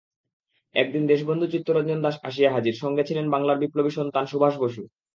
একদিন দেশবন্ধু চিত্তরঞ্জন দাশ আসিয়া হাজির, সঙ্গেছিলেন বাংলার বিপ্লবী সন্তান সুভাষ বসু।